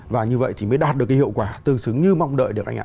và như vậy thì mới đạt được hiệu quả tương xứng như mong đợi được